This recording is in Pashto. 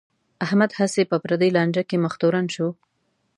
احمد هسې په پردی لانجه کې مخ تورن شو.